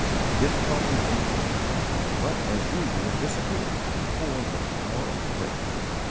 Difficulties interposed, but as usual disappeared before the power of prayer.